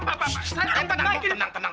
pak pak tenang pak